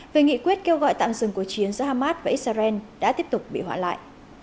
về nghị quyết kêu gọi tạm dừng cuộc chiến giữa hamas và israel đã tiếp tục bị hoãn lại